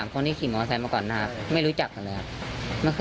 ๓คนที่ขี่มอเซนต์มาก่อนครับไม่รู้จักกันเลยครับไม่เคยเห็น